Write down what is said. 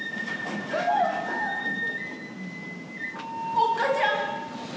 「おっ母ちゃん